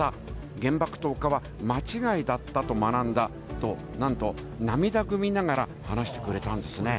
原爆投下は間違いだったと学んだと、なんと涙ぐみながら話してくれたんですね。